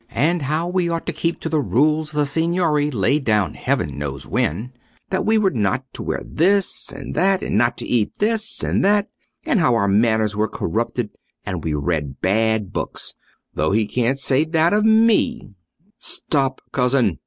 —and how we ought to keep to the rules the Signory laid down heaven knows when, that we were not to wear this and that, and not to eat this and that—and how our manners were corrupted and we read bad books; though he can't say that of me—" "Stop, cousin!"